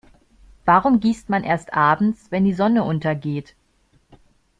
Warum gießt man erst abends, wenn die Sonne untergeht?